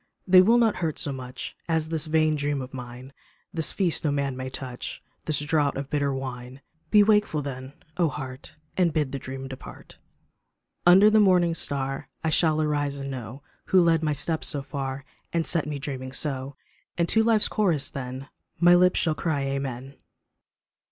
They will not hurt so much As this vain dream of mine, This feast no man may touch, This draught of bitter wine ; Be wakeful then, oh heart, And bid the dream depart. no THE DREAMER WAKES Under the morning star I shall arise and know Who led my steps so far And set me dreaming so, And to life's chorus then My lips shall cry Amen